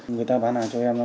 người ta bán hàng cho em